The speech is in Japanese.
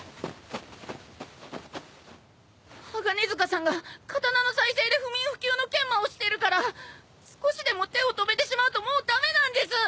鋼鐵塚さんが刀の再生で不眠不休の研磨をしてるから少しでも手を止めてしまうともう駄目なんです！